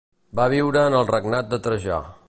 Va viure en el regnat de Trajà.